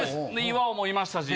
岩尾もいましたし。